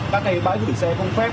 các cái bãi gửi xe không phép